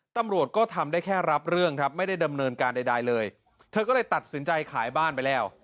ตำรวจก็ทำได้แค่รับเรื่องครับไม่ได้ดำเนินการใดเลยเธอก็เลยตัดสินใจขายบ้านไปแล้ว